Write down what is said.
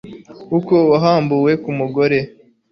uko wahambuwe ku mugore